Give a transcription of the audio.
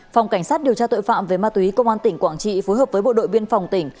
phòng cảnh sát điều tra tội phạm về ma túy công an tỉnh quảng trị phối hợp với bộ đội biên phòng tỉnh